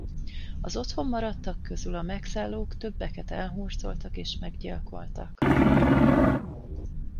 Az otthon maradtak közül a megszállók többeket elhurcoltak és meggyilkoltak.